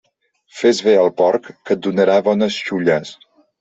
Fes bé al porc, que et donarà bones xulles.